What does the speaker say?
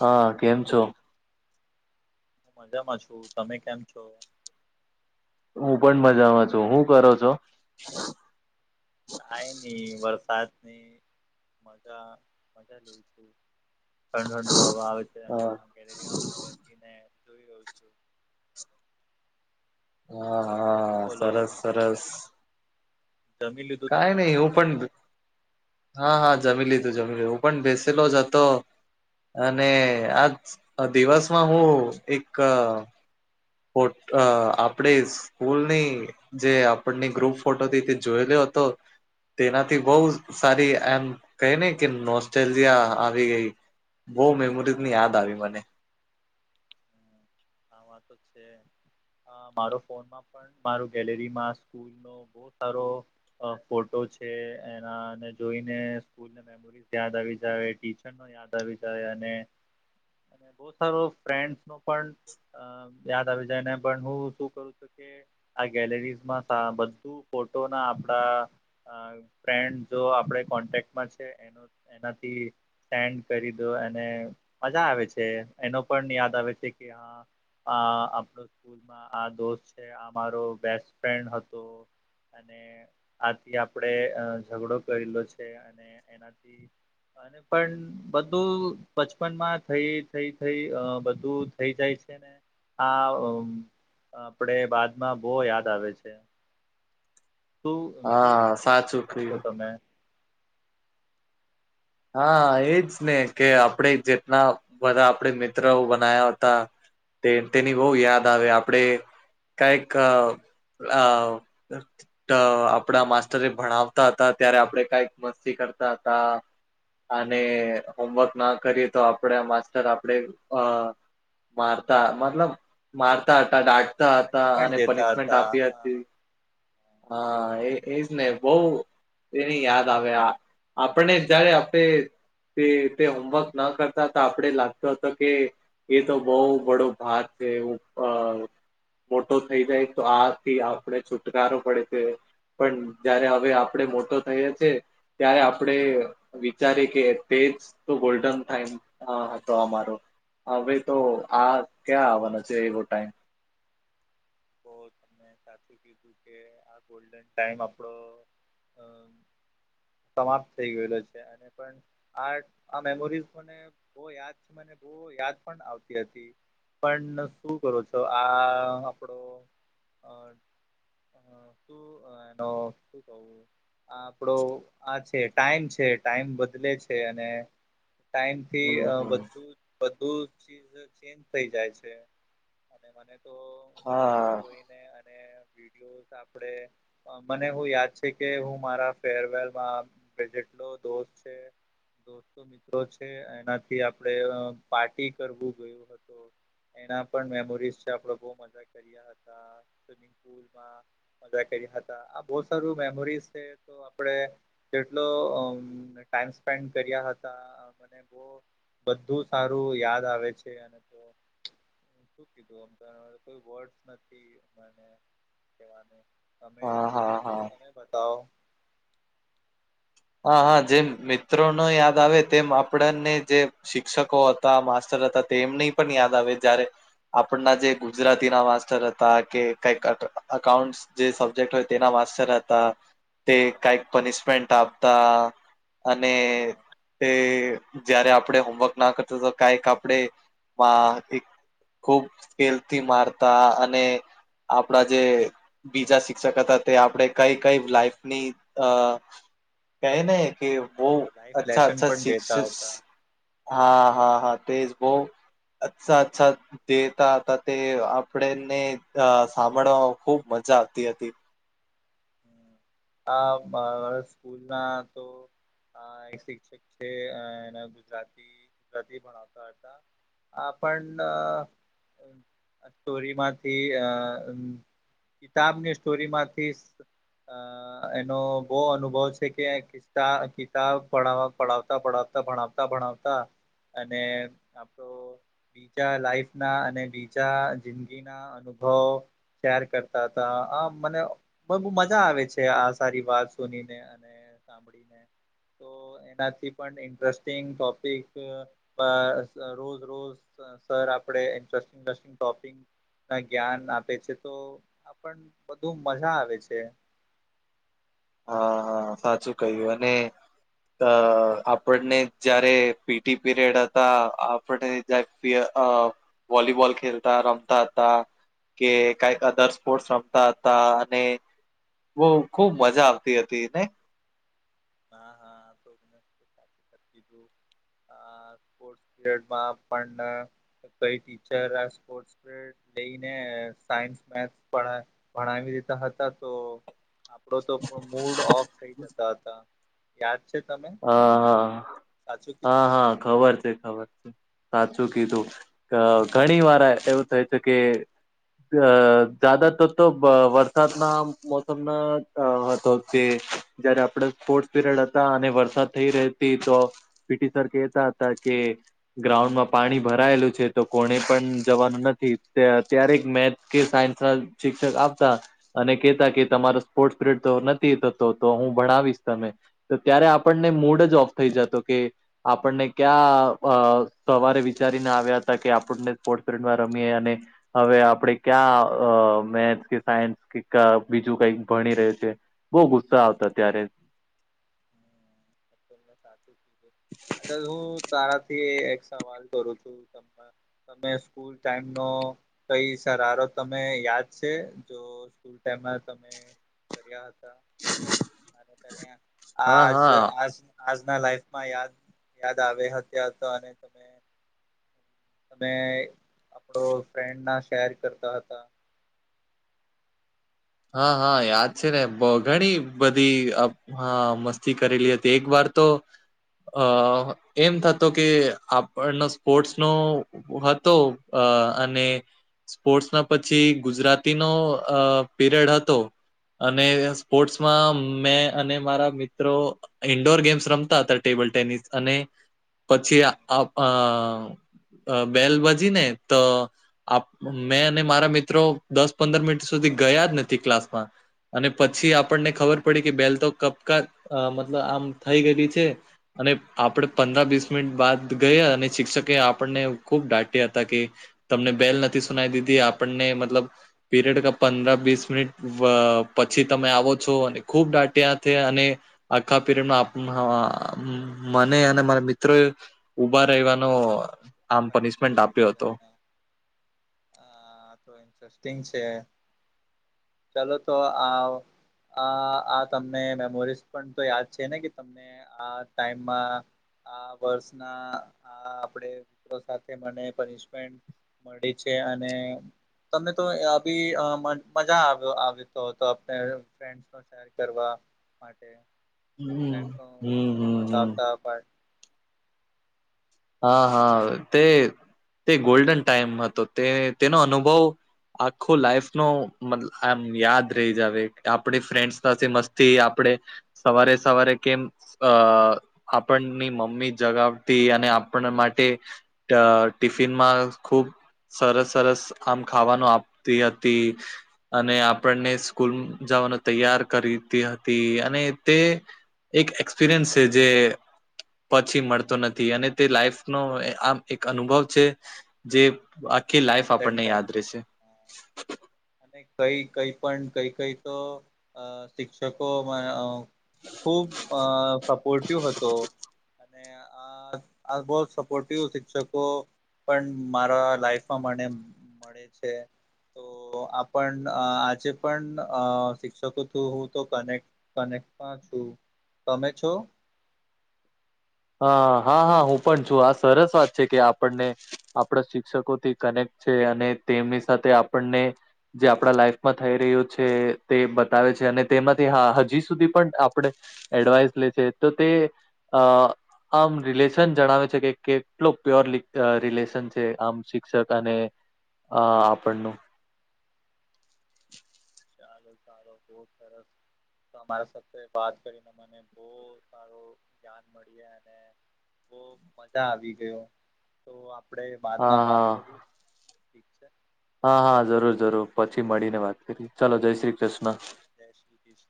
હા કેમ છો મજા માં છું તમે કેમ છો હું પણ મજામાં છું હું કરો છો કાયની વરસાદની મજા મજા લઉ છું ઠંડ ઠંડુ હવા આવે છે હા એ ગેલેરીમાં બેસીને જોઈ રહયો છું વાહ તમે હા બોલો સરસ સરસ જમી લીધું કઈ તમે નહી હું પણ હા હા જમી લીધું જમી લીધું પણ બેસેલો જ હતો અને આજ દિવસમાં હું એક ફોટ અ આપડી સ્કૂલની જે આપણને ગ્રુપ ફોટોથી તે જોયેલો હતો તેનાથી બહુ સારી એમ કહે ને કે નોસ્ટ્રેલિયા આવી ગઈ બહુ મેમોરીઝ હા ની યાદ આવી મને આ વાત તો છે મારો ફોનમાં પણ મારો ગેલેરીમાં સ્કુલનો બહું સારો ફોટો છે એનાને જોઈને સ્કુલ ને મેમોરીઝ યાદ આવી જાય ટીચર નો યાદ આવી જાય અને અને બહું સારો ફ્રેન્ડસ નો પણ યાદ આવી જાયને પણ હું શું કરું છું કે આ ગેલેરીઝમાં બધું ફોટો ના આપડા અ ફ્રેન્ડ જો આપડે કોન્ટેક્ટમાં છે એનો એનાથી સેન્ડ કરી દો અને મજા આવે છે એનો પણ યાદ આવે છે કે હા અ આપડો સ્કુલ માં આ દોસ્ત છે આ મારો બેસ્ટ ફ્રેન્ડ હતો. અને આથી આપડે ઝઘડો કરેલો છે અને એનાથી- - પણ બધું બચપનમાં થઈ થઈ થઈ બધું. થઈ જાય છે ને આ આપડે બાદમાં બઉ યાદ આવે છે. શું શું હા શું સાચું કહો છો કહ્યું તમે? હા એજ ને કે આપણે જેટલા બધા આપડે મિત્રઓ બનાયા હતા- - તેની બહુ યાદ આવે આપડે- - કાઈક આ- - અ આપડા માસ્ટરે ભણાવતા હતા ત્યારે આપડે કાઈક મસ્તી કરતા હતા. અને- - હોમવર્ક ના કરીએ તો આપણે માસ્ટર આપણે અ- - મારતા મતલબ મારતા હતા ડાટતા હતા પનિશમેન્ટ અને દેતા પનિશમેન્ટ હતા આપી હા હતી- - હા એ એજ બઉ- - તેની યાદ આવે આ આપને જયારે- - તે તે તે હોમવર્ક ન કરતા હતા આપડે લાગતો હતો કે- - એ તો બઉ બડો ભાગ છે- ઉપર મોટો થઈ જાય તો આથી આપણે છુટકારો પડે છે- - પણ જયારે હવે આપડે મોટો થઈએ છીએ ત્યારે આપણેે- - વિચારે કે તેજ તો ગોલ્ડન ટાઈમ હતો અમારો- - હવે તો આ ક્યાં આવવાના છે એવો ટાઈમ- - તો તને સાચું કીધું કે આ ગોલ્ડન ટાઈમ આપણો- - સમાપ્ત થઈ ગયેલો છે અને પણ આ આ મેમોરીઝ મને- - બઉ યાદ મને- - બઉ યાદ પણ આવતી હતી પણ શું કરો છો આ- - થોડો અ શુ એનો શુ કઉ આ આપડો આ છે ટાઈમ છે ટાઈમ બદલે છે અને- - ટાઈમ થી હમ અ હમ બધું- - બધું ચીજ ચેન્જ થઈ જાય છે અને મને તો- - હા. અને વિડીયો જ આપડે- - મને હું યાદ છે કે હું મારા ફેરવેલમાં- - અ જેટલો દોસ્ત છે- - દોસ્તો મિત્રો છે એનાથી આપડે પાર્ટી કરવું ગયો હતો. એના પણ મેમોરીઝ છે આપડો બહુ મજા કર્યા હતા સ્વિમિંગ પુલમાં- - મજા કર્યા હતા આ બહુ સારું મેમોરીઝ છે. તો આપણે કેટલો અ ટાઈમ સ્પેન્ડ કર્યા હતા મ- - બધું સારું યાદ આવે છે અને તો- - કીધું અમ કોઈ વર્ડ- - નથી મને કેવા નો તમે હા હા હા તમે બતાવો? હા હા જેમ મિત્રો નો યાદ આવે તેમ આપણને જે શિક્ષકો- - તા માસ્ટર હતા તે એમની પણ યાદ આવે જ્યારે આપણના જે ગુજરાતી ના માસ્ટર હતા કે કઈક અક અકાઉન્ટ- - જે સબ્જેક્ટ હોય તેના માસ્ટર હતા તે કઈ પનિશમેન્ટ આપ- - તા અને તે- - જયારે આપડણે હોમવર્ક ના કરતા તો કાઈક આપણે એક- - ખૂબ સ્કેલ થી મારતા અને- - આપણા જે બીજા શિક્ષક હતા તે આપણે કઈ કઈ લાઈફની અ- - કહે ને કે વ લાઈફ અચ્છા લેસન અચ્છા પણ શિક- દેતા હતા - હા હા હા તેજ બહુ અચ્છા અચ્છા- - દેતા હતા તે આપડેને અ સાંભળવા ખુબ મજા આવતી હતી. આ મા મારા સ્કૂલમાં તો. હ એક શિક્ષક છે એને ગુજરાતી ગુજરાતી ભણાવતા હતા. આપ ન. સ્ટોરીમાંથી અ કિતાબની સ્ટોરીમાંથી અ એનો બહુ અનુભવ છે કે. કિતા કિતાબ પડાવ પડાવતા પડાવતા ભણાવતા ભણાવતા અને. આપણો બીજા લાઈફ ના અને બીજા જિંદગી ના અનુભવ શેર કરતા હતા આ મને બઉ મજા આવે છે. તે આ સારી વાત સુની ને અને સાંભળીને તો. તો એનાથી પણ ઇન્ટરેસ્ટિંગ ટોપિક પ અ રોજ રોજ સર આપડે ઇન્ટરેસ્ટિંગ ઇસ્ટિંગ ટોપિક ના જ્ઞાન આપે છે તો આપણ બધુ મજા આવે છે. હા હા સાચું કહ્યું અને અ આપણને જયારે પીટી પીરિયડ હતા આપણે અ વોલીબોલ ખેલતા રમતા હતા. કે કઈક અધર સ્પોર્ટસ રમતા હતા અને બઉ ખુબ મજા. તી હતી ને. હા હા [inaudible] તોીધું સ્ટ પીરિયડમાં પણ કઈ ટીચર સ્પર્ટ પ લઈ ને સાયન્સ મેથ ભણાવી ભણાવી દેતા હતા તો. આપડો તો પણ મૂડ ઓફ થઈ જતા હતા યાદ છે તને. હા હા હા હા ખબર છે ખબર છે. સાચું કીધું અ ઘણી વાર એવું થયું તુ કે. અ જદાતર તો તો બ વરસાદના મોસમમાં અ હતો તે. જયારે આપણે સ્પોર્ટ પીરિયડ હતા અને વ. થતી રેતી તો પિટી સર કેતા તા કે. ગ્રાઉન્ડમાં પાણી ભરાયેલું છે તો કોને પણ જવાનું નથી અત્યારેક મેચ. કે સાયન્સ ના શિક્ષક આપતા અને કેતા કે તમારો સ્પોર્ટપિરિડ તો નથી થતો તો હું ભણાવીશ તમે તો ત્યારે આપણને મૂડ જ ઓફ થઈ જતો કે આપણને ક્યાં સવારે વિચારીને આવ્યા હતા કે આપણને સ્ર્ટ ફડમાં રમીએ અને હવે આપડે ક્યાં મેથ્સ કે સાયન્સ કે બીજું કઈક ભણી રહ્યું છે બહુ ગુસ્સા આવતા ત્યારે ચ અ હું તારાથી એક સવાલ કરું છું તમે સ્કૂલ ટાઈમ નો કઈ સહારો તમે યાદ છે જો સ્કૂલ ટાઈમમાં તમે કર્યા હતા હા આજ હા આ આજના લાઈફ માં યાદ યાદ આવે હતા અને તમે તમે આપણો ફ્રેન્ડ ના શેર કરતા હતા હા હા યાદ છે ને ઘણી બધી હા મસ્તી કરેલી હતી એક વાર તો અ એમ થતો કે આપણનો સ્પોર્ટસ નો હતો અ અને સ્પોર્ટ્સ ના પછી ગુજરાતીનોો અ પીરિયડ હતો અને સ્પોર્ટસમાં મેં અને મારા મિત્રો ઇન્ડોર ગેમ્સ રમતા હતા ટેબલ ટેનિસ અને પછી અ બેલ બાજી ને તો મેં અને મારા મિત્રો દસ પંદર મિનિટ સુધી ગયા જ નથી ક્લાસ માં અને પછી આપણને ખબર પડી કે બેલ તો કપકા મતલબ આમ થઈ ગયેલી છે અને આપડ પંદ્ર વીસ મિનિટ બાદ ગયા અને શિક્ષકે આપણને ખુબ ડાંટ્યા હતા કે તમને બેલ નથી સુનાવી દીધી આપણને મતલબ પીરિયડ પંદર વીસ મિનિટ પછી તમે આવો છો અને ખૂબ ડાટ્યા છે અને આખા પીર મને અને મારા મિત્રો ઉભા રવાનો આમ પનિશમેન્ટ આપ્યો હતો હા તો ઇન્ટરેસ્ટિંગ છે ચાલો તો આવ આ આ તમને મેમોરીઝ પણ તો યાદ છે ને કે તમને ટ આ વર્ષ ના આપ સાથે મમેન્ટ મળી છે તને તોી મજા આવીતો હતો ફન્ડ શેર કરવા માટે હમ. ફ્રેન્સનું હમ હમ પોતા હમ આવતા પણ હા હા તે તે ગોલ્ડન ટાઈમ હતો તે તેનો અનુભવ આખો લાઈફ ન આમ યાદ રહી જાવ આપણી ફ્રેન્ડથી મસ્તી આપણે સવારે સવારે કેમ અ આપણની મમ્મી જગાવતી અને આપ માટે ટિફિનમાં ખૂબ સરસ સરસ આમ ખાવાનું આપતી હતી અને આપણને સ્કૂલ જવાનું તૈયાર કરીતી હતી અને તે એક એક્સપિરિયન્સ છે જે પછી મળતો નથી અને તે લાઈફ નો આમ એક અનુભવ છે જે આખી લાઈફ ગોલ્ડન આપણને યાદ ટાઈમ છે રહેશે અને કઈ કઈ પણ કઈ કઈ તો શિક્ષકોમાં ખૂબ અ સપોર્ટિવ હતો હતો અને આ આ બહ સપોર્ટિવ શિક્ષકો પણ મારા લાઈફ પ્રમા મળે છે તો આપણ આજે પણ શિક્ષકો થું હું તો કનેક્ટ કનેક પા છું તમે છો હા હા હા હું પણ છું આ સરસ વાત છે કે આપણને આપણા શિક્ષકોથી કનેક્ટ છે અને તેમની સાથે આપણને જે આપણા લાઈફમાં થઈ રહ્યો છે તે બતાવે છે અને તેમાંથી હા હજી સુધી પણ આપણે એડવાઈસ લે છે તો તે અ આમ રિલેશન જણાવે છે કે કેટલો પ્યોર રિલેશન છે આમ શિક્ષક અને હ આપણનું ચાલો સારો બહ સર તમારા સાથે વાત કરીને મને બહ સારું [unintelligible] મળ અને બહ મજા આવી ગયો તો આપણેે હા બાદમાં વાત હા કરી ઠીક છે. હા હા જરૂર જરૂર પછી મળીને વાત કરી ચાલો જય શ્રી કૃષ્ણ જય કિસ